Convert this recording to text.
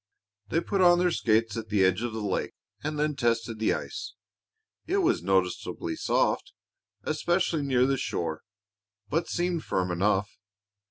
They put on their skates at the edge of the lake and then tested the ice. It was noticeably soft, especially near the shore, but seemed firm enough.